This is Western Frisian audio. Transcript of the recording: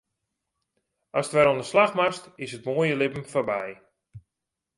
Ast wer oan 'e slach moatst, is it moaie libben foarby.